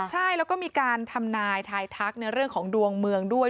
ใช่แล้วก็มีการทำนายทายทักในเรื่องของดวงเมืองด้วย